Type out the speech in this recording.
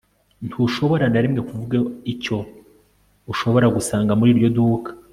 Ntushobora na rimwe kuvuga icyo ushobora gusanga muri iryo duka